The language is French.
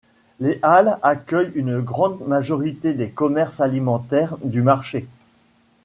Les halles accueillent une grande majorité des commerces alimentaires du marché.